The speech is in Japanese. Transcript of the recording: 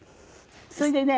それでね